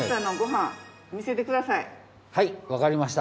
はいわかりました。